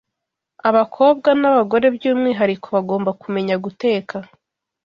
Abakobwa n’abagore by’umwihariko bagomba kumenya guteka.